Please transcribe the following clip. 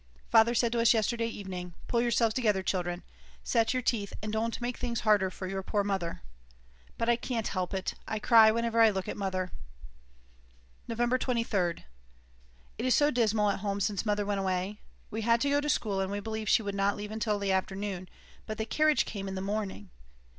Father said to us yesterday evening: "Pull yourselves together children, set your teeth and don't make things harder for your poor Mother." But I can't help it, I cry whenever I look at Mother. November 23rd. It is so dismal at home since Mother went away; we had to go to school and we believed she would not leave until the afternoon, but the carriage came in the morning.